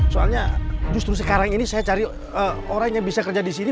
soalnya justru sekarang ini saya cari orang yang bisa kerja di sini